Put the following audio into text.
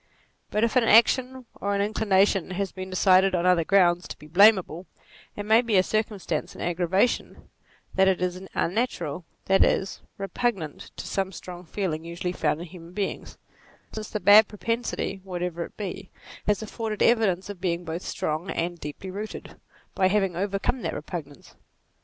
But if an action, or an inclination, has been decided on other grounds to be blamable, it may be a circumstance in aggravation that it is unnatural, that is, repugnant to some strong feeling usually found in human beings ; since the bad pro NATURE 63 pensity, whatever it be, has afforded evidence of being both strong and deeply rooted, by having overcome that repugnance.